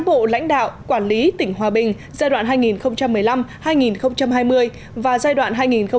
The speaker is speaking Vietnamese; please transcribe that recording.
bộ lãnh đạo quản lý tỉnh hòa bình giai đoạn hai nghìn một mươi năm hai nghìn hai mươi và giai đoạn hai nghìn hai mươi một hai nghìn hai mươi năm